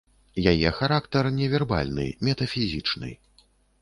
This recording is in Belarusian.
Яе характар невербальны, метафізічны.